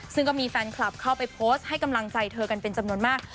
ซึ่งก็มีแฟนคลับเข้าไปโพสต์ให้กำลังใจเธอกันเป็นจำนวนมาก